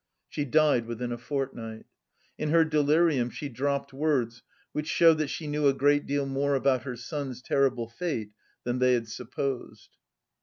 She died within a fortnight. In her delirium she dropped words which showed that she knew a great deal more about her son's terrible fate than they had supposed.